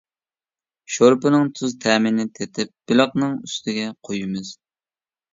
شورپىنىڭ تۇز تەمىنى تېتىپ بېلىقنىڭ ئۈستىگە قۇيىمىز.